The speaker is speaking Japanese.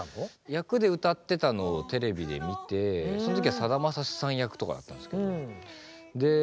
役で歌ってたのをテレビで見てその時はさだまさしさん役とかだったんですけど。